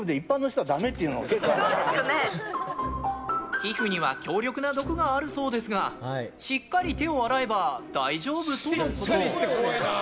皮膚には強力な毒があるそうですがしっかり手を洗えば大丈夫とのこと。